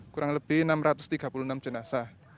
kurang lebih enam ratus tiga puluh enam jenazah